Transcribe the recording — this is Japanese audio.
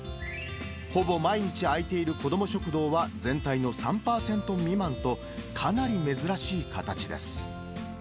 ほぼ毎日開いている子ども食堂は、全体の３％未満と、かなり珍しい形です。